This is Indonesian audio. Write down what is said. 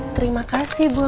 terima kasih bu